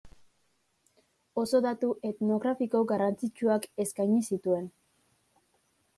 Oso datu etnografiko garrantzitsuak eskaini zituen.